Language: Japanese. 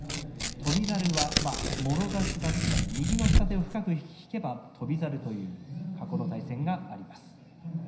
つかまえれば霧島翔猿はもろ差しだったり右の下手を深く引けば翔猿という過去の対戦があります。